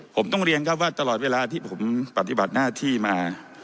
ผมต้องเรียนครับว่าตลอดเวลาที่ผมปฏิบัติหน้าที่มา